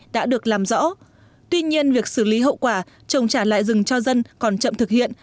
đã được làm rõ tuy nhiên việc xử lý hậu quả trồng trả lại rừng cho dân còn chậm thực hiện